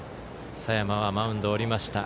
佐山はマウンドを降りました。